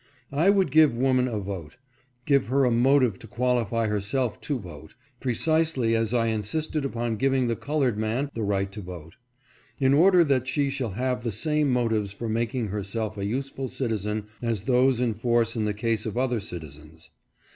I would give woman a vote, give her a motive to qualify herself to vote, precisely as I insisted upon giving the colored man the right to vote ; in order that she shall have the same motives for making herself a useful citizen as those in force in the case of other citizens.